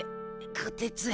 こてつ。